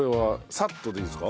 サッとでいいんですか？